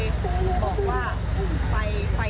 ดูโปรดลองกลยบอกว่าไฟไหม้